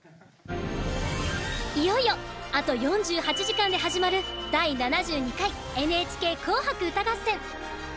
いよいよあと４８時間で始まる「第７２回ＮＨＫ紅白歌合戦」。